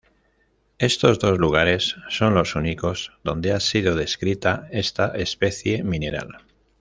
Estos dos lugares son los únicos donde ha sido descrita esta especie mineral.